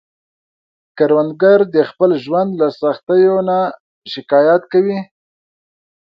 کروندګر د خپل ژوند له سختیو نه نه شکايت کوي